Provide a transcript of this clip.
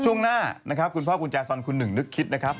ช่วงหน้านะครับคุณพ่อกุญแจซอนคุณหนึ่งนึกคิดนะครับ